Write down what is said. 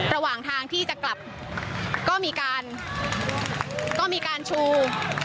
ระหว่างทางที่จะกลับก็มีการก็มีการชู